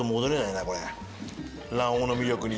卵黄の魅力に。